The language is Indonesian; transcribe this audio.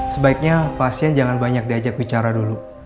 sebaiknya pasien jangan banyak diajak bicara dulu